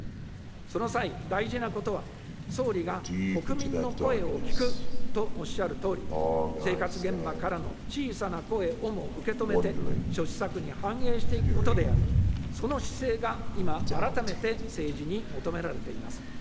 その際、大事なことは、総理が国民の声を聞くとおっしゃるとおり、生活現場からの小さな声をも受け止めて、諸施策に反映していくことであり、その姿勢が今、改めて政治に求められています。